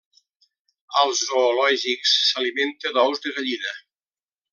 Als zoològics, s'alimenta d'ous de gallina.